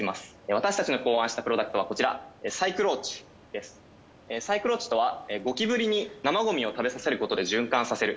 私たちの考案したプロダクトはこちらサイクローチとはゴキブリに生ゴミを食べさせることで循環させる。